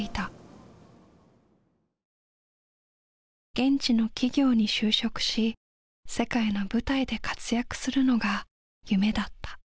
現地の企業に就職し世界の舞台で活躍するのが夢だった。